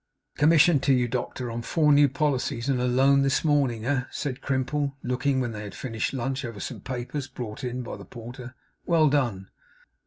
') 'Commission to you, doctor, on four new policies, and a loan this morning, eh?' said Crimple, looking, when they had finished lunch, over some papers brought in by the porter. 'Well done!